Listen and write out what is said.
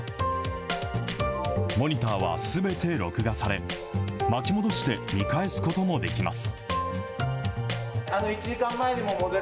モニターはすべて録画され、巻き戻して見返すこともできます。